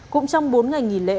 cũng trong bốn ngày nghỉ lễ